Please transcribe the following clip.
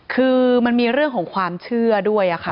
คือมันมีเรื่องของความเชื่อด้วยค่ะ